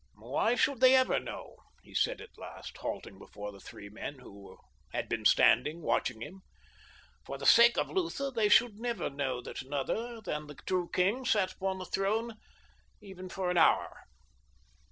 "Why should they ever know?" he said at last, halting before the three men who had been standing watching him. "For the sake of Lutha they should never know that another than the true king sat upon the throne even for an hour."